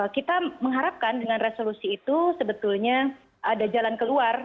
kita mengharapkan dengan resolusi itu sebetulnya ada jalan keluar